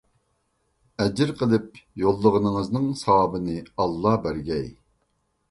ئەجىر قىلىپ يوللىغىنىڭىزنىڭ ساۋابىنى ئاللا بەرگەي.